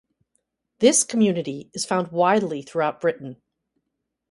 This community is found widely throughout Britain.